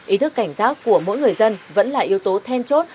ý thức cảnh giác của mỗi người dân vẫn là yếu tố then chốt